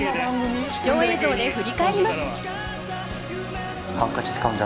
貴重映像で振り返ります。